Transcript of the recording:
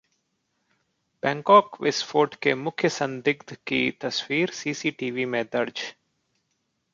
Bangkok विस्फोट के मुख्य संदिग्ध की तस्वीर सीसीटीवी में दर्ज